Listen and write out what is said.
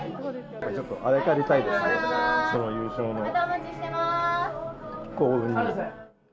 ちょっとあやかりたいですね、その優勝の興奮に。